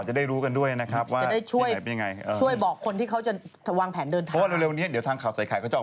อ๋อจะไม่ได้ไปนั่งพักกันครับ